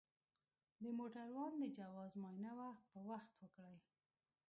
د موټروان د جواز معاینه وخت په وخت وکړئ.